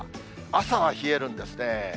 朝は冷えるんですね。